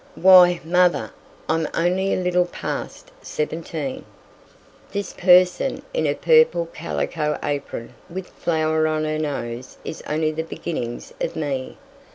"Why, mother, I'm only a little past seventeen! This person in a purple calico apron with flour on her nose is only the beginnings of me!